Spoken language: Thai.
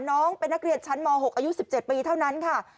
น้องเป็นนักเรียนชั้นม๖อายุ๑๗ปีเท่านั้นค่ะ